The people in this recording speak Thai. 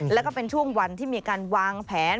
แล้วก็เป็นช่วงวันที่มีการวางแผน